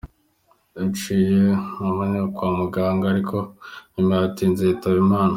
Yaciye anyarukanwa kwa muganga ariko mu nyuma yatinze yitaba Imana.